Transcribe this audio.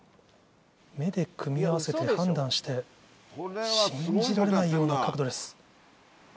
目で組み合わせて判断して信じられないような角度です。